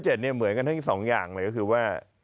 ข้อที่๗เหมือนกันทั้ง๒อย่างเลยก็คือว่า